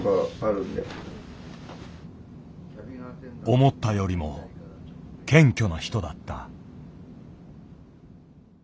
思ったよりも謙虚な人だった。